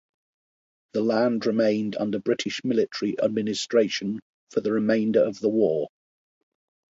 The land remained under British military administration for the remainder of the war.